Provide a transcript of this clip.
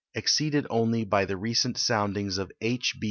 exceeded only by the recent soundings of H.